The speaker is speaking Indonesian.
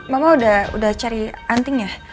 mama udah cari anting ya